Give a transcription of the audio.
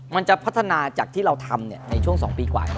มันจะพัฒนาจากที่เราทำในช่วง๒ปีกว่า